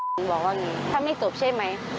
หนูบอกว่าอย่างนี้ถ้าไม่จบใช่ไหม